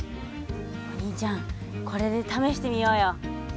お兄ちゃんこれでためしてみようよ。